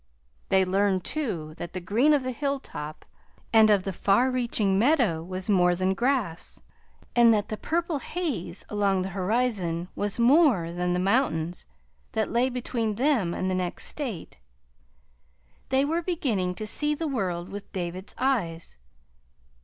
They learned, too, that the green of the hilltop and of the far reaching meadow was more than grass, and that the purple haze along the horizon was more than the mountains that lay between them and the next State. They were beginning to see the world with David's eyes.